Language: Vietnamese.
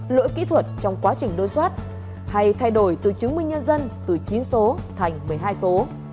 lỗi kỹ thuật trong quá trình đối soát hay thay đổi từ chứng minh nhân dân từ chín số thành một mươi hai số